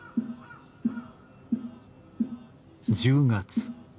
１０月。